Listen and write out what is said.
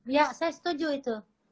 iya saya setuju itu